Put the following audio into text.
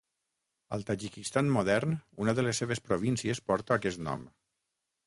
Al Tadjikistan modern una de les seves províncies porta aquest nom.